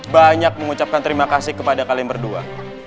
banyak mengucapkan terima kasih kepada kalian berdua